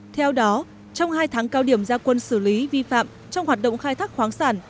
theo đó trong hai tháng cao điểm gia quân xử lý vi phạm trong hoạt động khai thác khoáng sản